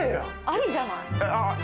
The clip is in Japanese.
ありじゃない？